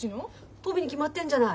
トビに決まってんじゃない。